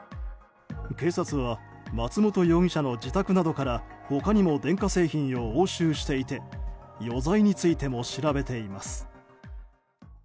警察は松本容疑者の自宅などから他にも電化製品を押収していて余罪についても調べています。